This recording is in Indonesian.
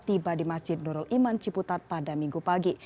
tiba di masjid nurul iman ciputat pada minggu pagi